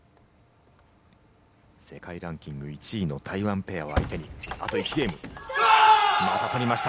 世界ランキング１位の台湾ペアを相手にまた取りました。